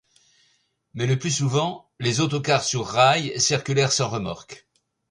Mais le plus souvent, les autocars sur rails circulèrent sans remorque.